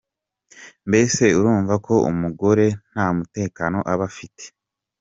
Mbese urumva ko umugore nta mutekano aba afite.